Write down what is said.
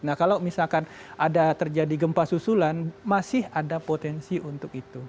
nah kalau misalkan ada terjadi gempa susulan masih ada potensi untuk itu